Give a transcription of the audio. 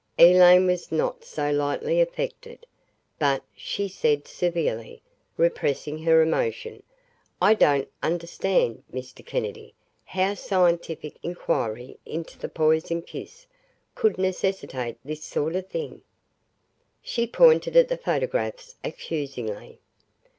Elaine was not so lightly affected. "But," she said severely, repressing her emotion, "I don't understand, MR. Kennedy, how scientific inquiry into 'the poisoned kiss' could necessitate this sort of thing." She pointed at the photographs accusingly.